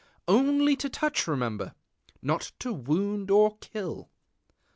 Only to touch, remember! not to wound or to kill.